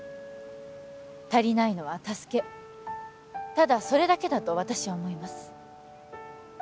足りないのは助けただそれだけだと私は思います